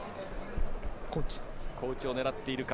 小内を狙っているか。